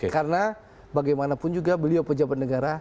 karena bagaimanapun juga beliau pejabat negara